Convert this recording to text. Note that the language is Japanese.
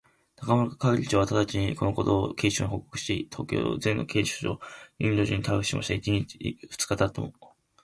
中村係長はただちに、このことを警視庁に報告し、東京全都の警察署、派出所にインド人逮捕の手配をしましたが、一日たち二日たっても、